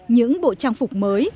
những bộ trang phục mới